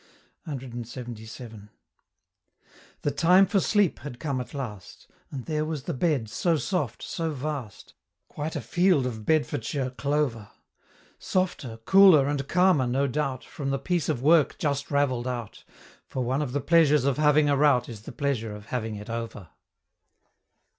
CLXXVII. The time for sleep had come at last; And there was the bed, so soft, so vast, Quite a field of Bedfordshire clover; Softer, cooler, and calmer, no doubt, From the piece of work just ravell'd out, For one of the pleasures of having a rout Is the pleasure of having it over.